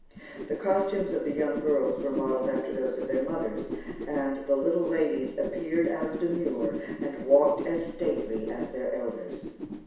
The costumes of the young girls were modelled after those of their mothers; and the little ladies appeared as demure and walked as stately as their elders.